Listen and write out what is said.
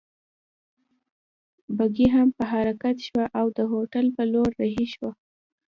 بګۍ هم په حرکت شوه او د هوټل په لور رهي شوو.